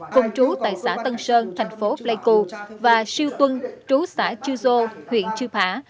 cùng chú tại xã tân sơn thành phố pleiku và siêu tuân chú xã chư dô huyện chư bà